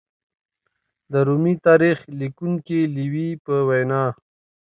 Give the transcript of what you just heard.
د رومي تاریخ لیکونکي لېوي په وینا